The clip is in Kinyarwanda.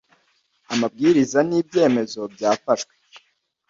amabwiriza n ibyemezo byafashwe